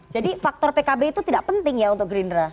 jadi faktor pkb itu tidak penting ya untuk gerindra